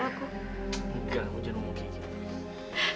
enggak mujud mungkin